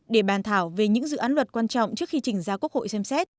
để bàn thảo về những dự án luật quan trọng trước khi trình ra quốc hội xem xét